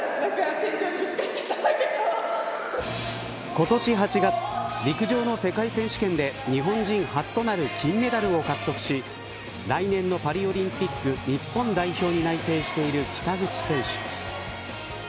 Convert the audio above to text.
今年８月、陸上の世界選手権で日本人初となる金メダルを獲得し来年のパリオリンピック日本代表に内定している北口選手。